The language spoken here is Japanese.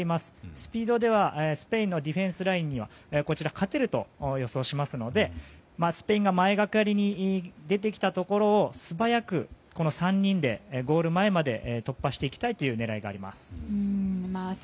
スピードではスペインのディフェンスラインには勝てると予想しますのでスペインが前がかりに出てきたところを素早く、この３人でゴール前まで突破していきたいという狙いがあります。